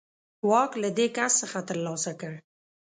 واک له دې کس څخه ترلاسه کړ.